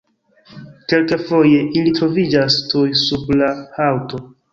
Kelkfoje ili troviĝas tuj sub la haŭto.